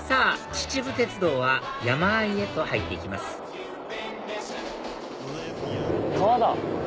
秩父鉄道は山あいへと入っていきます川だ。